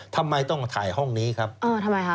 ทำไมต้องถ่ายห้องนี้ครับเออทำไมคะ